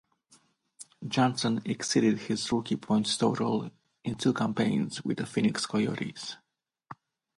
Johnson exceeded his rookie points total in two campaigns with the Phoenix Coyotes.